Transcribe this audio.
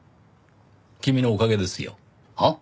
君のおかげですよ。は？